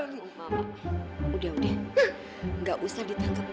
bapak udah udah gak usah ditangkepin